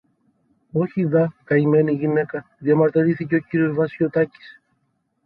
Όχι δα, καημένη γυναίκα! διαμαρτυρήθηκε ο κύριος Βασιωτάκης